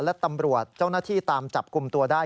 และตำรวจเจ้าหน้าที่ตามจับกลุ่มตัวได้